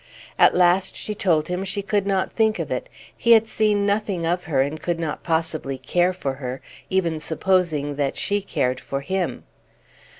At last she told him she could not think of it, he had seen nothing of her, and could not possibly care for her, even supposing that she cared for him.